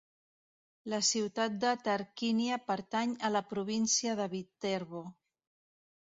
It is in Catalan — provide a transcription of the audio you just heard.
La ciutat de Tarquínia pertany a la província de Viterbo.